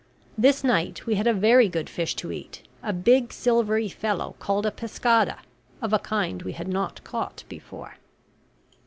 This night we had a very good fish to eat, a big silvery fellow called a pescada, of a kind we had not caught before.